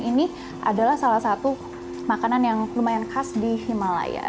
ini adalah salah satu makanan yang lumayan khas di himalaya